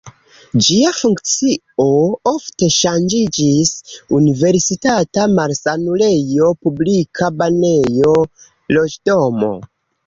Ĝia funkcio ofte ŝanĝiĝis: universitata malsanulejo, publika banejo, loĝdomo.